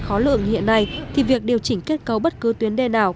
khó lượng hiện nay thì việc điều chỉnh kết cấu bất cứ tuyến đê nào